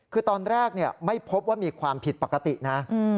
คือตอนแรกไม่พบว่ามีความผิดปกตินะ